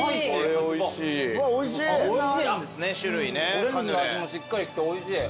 オレンジの味もしっかりきておいしい。